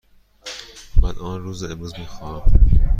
من آن را امروز می خواهم.